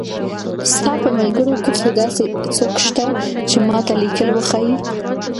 ستا په ملګرو کښې داسې څوک شته چې ما ته ليکل وښايي